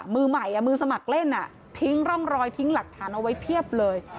มือใหม่มือสมัครเล่นทิ้งร่องรอยทิ้งหลักฐานเอาไว้เพียบเลย